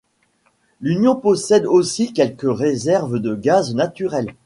L'Union possède aussi quelques réserves de gaz naturel.